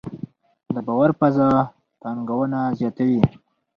د باور فضا پانګونه زیاتوي؟